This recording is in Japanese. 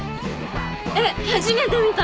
えっ初めて見た。